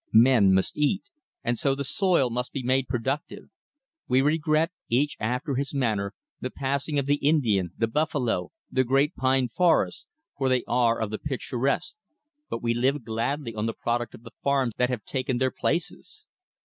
Men must eat; and so the soil must be made productive. We regret, each after his manner, the passing of the Indian, the buffalo, the great pine forests, for they are of the picturesque; but we live gladly on the product of the farms that have taken their places.